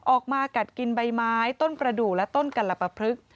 กัดกินใบไม้ต้นประดูกและต้นกัลปะพลึก